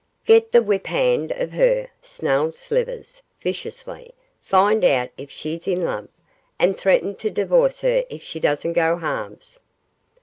'Get the whip hand of her,' snarled Slivers, viciously; 'find out if she's in love, and threaten to divorce her if she doesn't go halves.